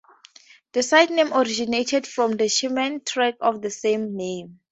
The site name originated from The Shamen track of the same name.